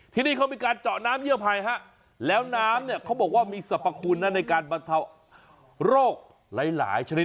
ที่นี่เขามีการเจาะน้ำเยี่ยมภัยแล้วน้ำเขาบอกว่ามีสรรพคุณในการบรรเทาะโรคหลายชนิด